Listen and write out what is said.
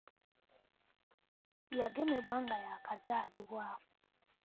Yagemebwa nga yaakazaalibwa.